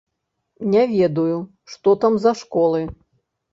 Не ведаю, што там за школы.